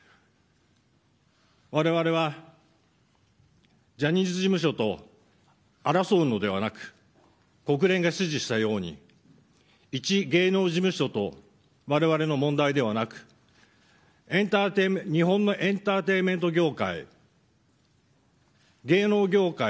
我々は、ジャニーズ事務所と争うのではなく国連が支持したように一芸能事務所と我々の問題ではなく日本のエンターテインメント業界芸能業界